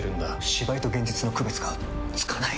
芝居と現実の区別がつかない！